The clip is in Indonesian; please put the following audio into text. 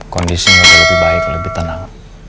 kondisi uli lebih baik lebih tenang